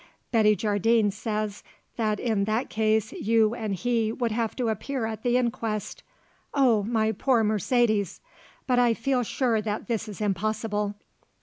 Betty Jardine says that in that case you and he would have to appear at the inquest. Oh, my poor Mercedes! But I feel sure that this is impossible.